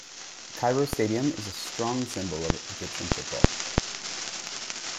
Cairo Stadium is a strong symbol of Egyptian football.